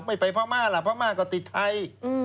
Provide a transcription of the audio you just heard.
ไม่ไปพม่าล่ะพม่าก็ติดไทย